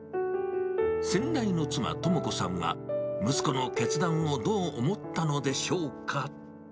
先代の妻、朋子さんは、息子の決断をどう思ったのでしょうか。